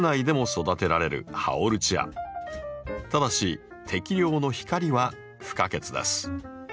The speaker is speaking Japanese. ただし適量の光は不可欠です。